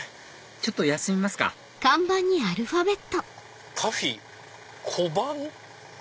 ちょっと休みますかカフィーコバン？